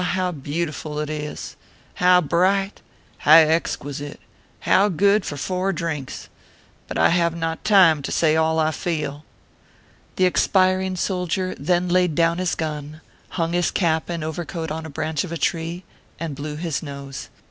how beautiful it is ! how bright, how ex quisite, and good for four drinks ! But I have not time to say all I feel." The expiring soldier then laid down his gun, hung his cap and overcoat on a branch of a tree, and blew his nose.